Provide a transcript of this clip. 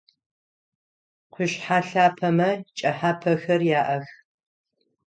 Къушъхьэ лъапэмэ чӏэхьапэхэр яӏэх.